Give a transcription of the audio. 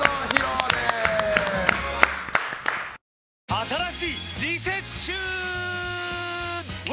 新しいリセッシューは！